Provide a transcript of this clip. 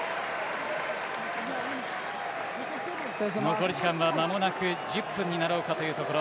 残り時間はまもなく１０分になろうかというところ。